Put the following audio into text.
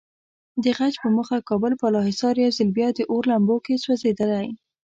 د غچ په موخه کابل بالاحصار یو ځل بیا د اور لمبو کې سوځېدلی.